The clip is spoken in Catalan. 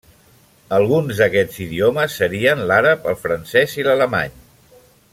Alguns d'aquests idiomes serien l'àrab, el francès i l'alemany.